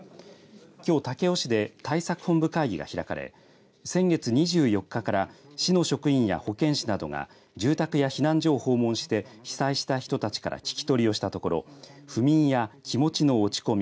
きょう武雄市で対策本部会議が開かれ先月２４日から市の職員や保健師などが住宅や避難所を訪問して被災した人たちから聞き取りをしたところ不眠や気持ちの落ち込み